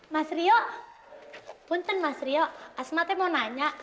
mas rio saya mau bertanya